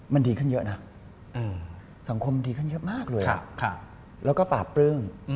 มันดีขึ้นเยอะนะสังคมดีขึ้นเยอะมากเลยแล้วก็ปราบปลื้ม